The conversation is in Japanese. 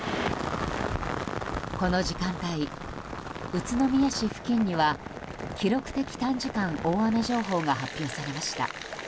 この時間帯、宇都宮市付近には記録的短時間大雨情報が発表されました。